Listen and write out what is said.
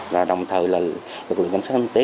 và đồng thời lực lượng cảnh sát kinh tế